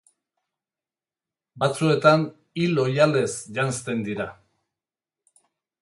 Batzuetan hil oihalez janzten dira.